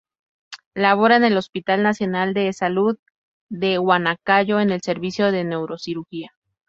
Labora en el Hospital Nacional de EsSalud de Huancayo, en el Servicio de Neurocirugía.